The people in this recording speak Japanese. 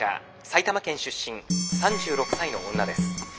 埼玉県出身３６歳の女です」。